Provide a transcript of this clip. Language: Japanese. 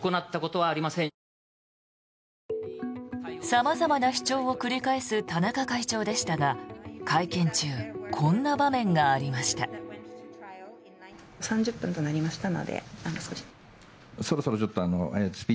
様々な主張を繰り返す田中会長でしたが会見中こんな場面がありました。